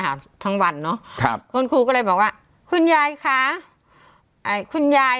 ทั้งวันเนอะครับคุณครูก็เลยบอกว่าคุณยายคะเอ่อคุณยาย